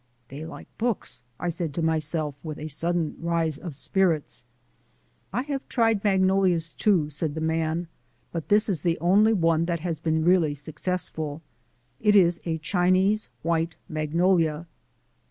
"They like books!" I said to myself, with a sudden rise of spirits. "I have tried magnolias, too," said the man, "but this is the only one that has been really successful. It is a Chinese white magnolia."